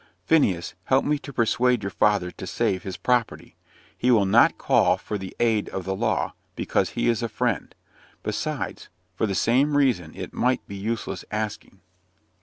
Phineas, help me to persuade your father to save his property. He will not call for the aid of the law, because he is a Friend. Besides, for the same reason, it might be useless asking."